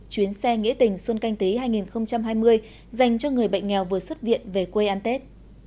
chuyến xe nghĩa tình xuân canh tí hai nghìn hai mươi dành cho người bệnh nghèo vừa xuất viện về quê ăn tết